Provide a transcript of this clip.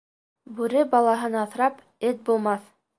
Бүре балаһын аҫрап, эт булмаҫ.